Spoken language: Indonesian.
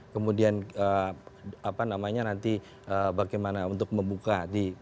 kemudian apa namanya nanti bagaimana untuk membuka